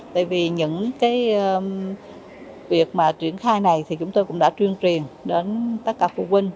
tại vì những cái việc mà triển khai này thì chúng tôi cũng đã truyền truyền đến tất cả phụ huynh